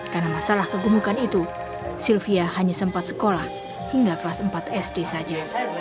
karena masalah kegemukan itu sylvia hanya sempat sekolah hingga kelas empat sd saja